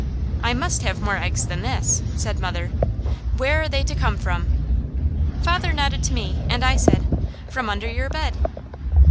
"I must have more eggs than this?" said mother. "Where are they to come from?" Father nodded to me and I said: "From under your bed!"